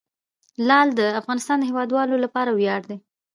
لعل د افغانستان د هیوادوالو لپاره ویاړ دی.